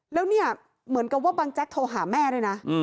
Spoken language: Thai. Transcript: แล้วเนี่ยเหมือนกับว่าบางแจ๊กโทรหาแม่ด้วยนะ